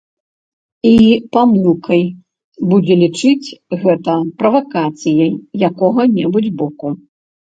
І памылкай будзе лічыць гэта правакацыяй якой-небудзь боку.